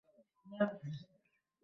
Miss বুলকে আমার আন্তরিক শ্রদ্ধা জানাবে।